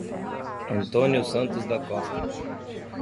Antônio Santos da Costa